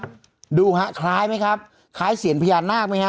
คุณผู้ชมครับดูฮะคล้ายมั้ยครับคล้ายเซียนพญานาคมั้ยฮะ